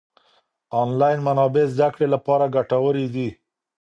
انلاين منابع زده کړې لپاره ګټورې دي.